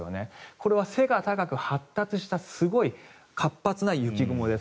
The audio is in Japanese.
これは背が高く発達したすごい活発な雪雲です。